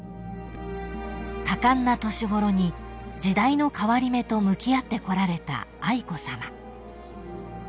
［多感な年ごろに時代の変わり目と向き合ってこられた愛子さま］